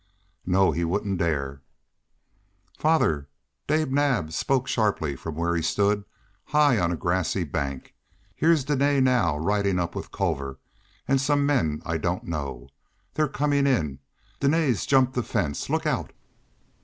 "No. He wouldn't dare." "Father!" Dave Naab spoke sharply from where he stood high on a grassy bank. "Here's Dene now, riding up with Culver, and some man I don't know. They're coming in. Dene's jumped the fence! Look out!"